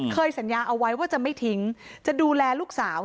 สัญญาเอาไว้ว่าจะไม่ทิ้งจะดูแลลูกสาว